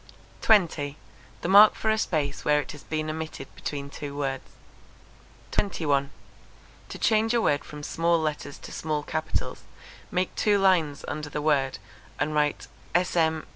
20. The mark for a space where it has been omitted between two words. 21. To change a word from small letters to small capitals, make two lines under the word, and write _sm.